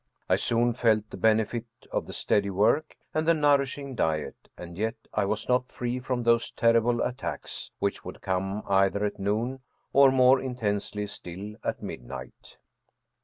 I soon felt the benefit of the steady work and the nourishing diet, and yet I was not free from those terrible attacks, which would come either at noon, or, more intensely still, at midnight.